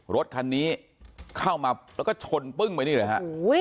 รถคันนี้เข้ามาแล้วก็ชนปึ้งไปนี่เลยฮะ